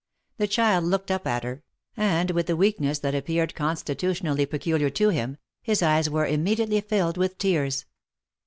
The child looked up at her, and with the weakness that appeared constitutionally peculiar to him, his eyes were immediately filled with tears.